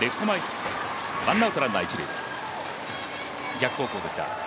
逆方向でした。